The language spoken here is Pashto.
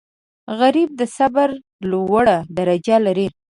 غریب د صبر لوړه درجه لري